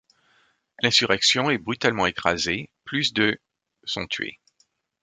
L'insurrection est brutalement écrasée, plus de sont tués.